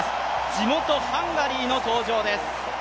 地元ハンガリーの登場です。